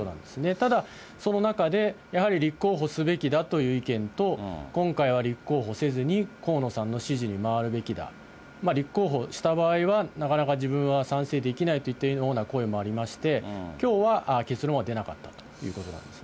ただ、その中で、やはり立候補すべきだという意見と、今回は立候補せずに河野さんの支持に回るべきだ、立候補した場合は、なかなか自分は賛成できないといったような声もありまして、きょうは結論は出なかったということなんですね。